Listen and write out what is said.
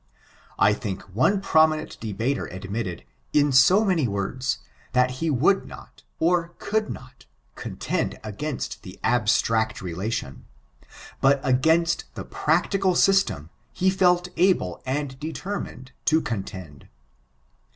I think one prominent debater admitted, in so many words, that he would not, br could not, contend against the abstract relation; but, against the practical system, he felt able and determined to contend.